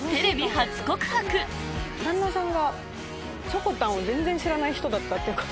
旦那さんがしょこたんを全然知らない人だった。